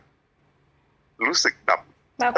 มันรู้มีอะไรอย่างนั้น